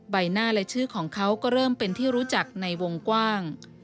ใบหน้าและชื่อของเขาก็เริ่มเป็นที่รู้จักในวงกว้าง